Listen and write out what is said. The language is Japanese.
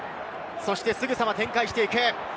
すぐさま展開していく。